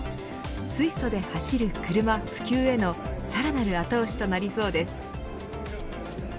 水素で走る車普及へのさらなる後押しとなりそうです。